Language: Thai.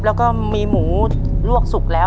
ต้นไม้ประจำจังหวัดระยองการครับ